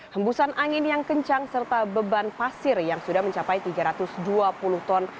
hembusan angin yang kencang serta beban pasir yang sudah mencapai tiga ratus dua puluh ton